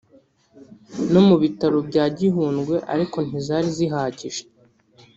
no mu bitaro bya Gihundwe ariko ntizari zihagije